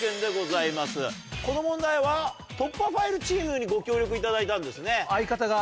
この問題は「突破ファイルチーム」にご協力いただいたんですね。